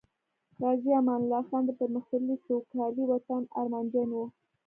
غازی امان الله خان د پرمختللي، سوکالۍ وطن ارمانجن وو